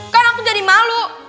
kan aku jadi malu